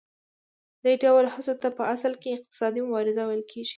دې ډول هڅو ته په اصل کې اقتصادي مبارزه ویل کېږي